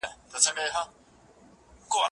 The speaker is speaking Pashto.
زه اجازه لرم چي د کتابتون کتابونه لوستل کړم،